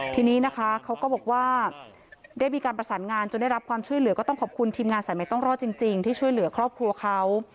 ทีนี้นะคะเขาก็บอกว่าได้มีการประสานงานจนได้รับความช่วยเหลือก็ต้องขอบคุณทีมงานสายใหม่ต้องรอดจริงที่ช่วยเหลือครอบครัวเขา